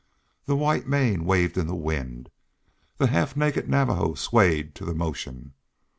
The white mane waved in the wind; the half naked Navajo swayed to the motion.